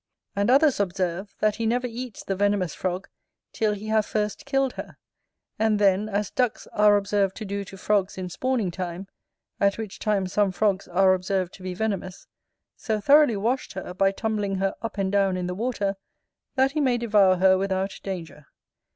And others observe, that he never eats the venomous frog till he have first killed her, and then as ducks are observed to do to frogs in spawning time, at which time some frogs are observed to be venomous, so thoroughly washed her, by tumbling her up and down in the water, that he may devour her without danger.